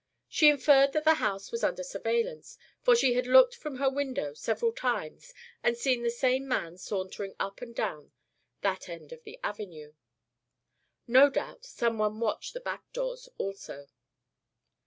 She inferred that the house was under surveillance, for she had looked from her window several times and seen the same man sauntering up and down that end of the avenue. No doubt some one watched the back doors also.